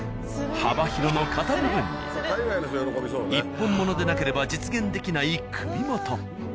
幅広の肩部分に一本物でなければ実現できない首元。